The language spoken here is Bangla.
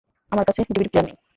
আমার কাছে ডিভিডি প্লেয়ার নেই।